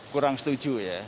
kurang setuju ya